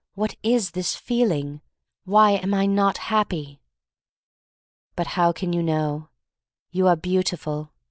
What is this feeling? Why am I not happy? "But how can you know? "You are beautiful.